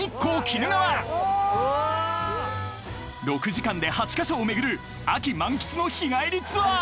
［６時間で８箇所を巡る秋満喫の日帰りツアー］